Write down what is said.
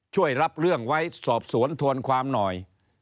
ช่วยรับเรื่องไว้สอบสวนทวนความหน่อย